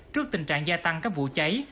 trước tình trạng gia tăng các vụ cháy